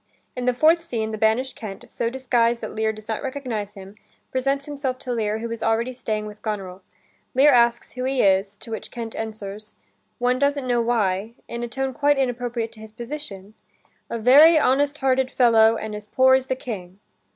In the fourth scene, the banished Kent, so disguised that Lear does not recognize him, presents himself to Lear, who is already staying with Goneril. Lear asks who he is, to which Kent answers, one doesn't know why, in a tone quite inappropriate to his position: "A very honest hearted fellow and as poor as the King."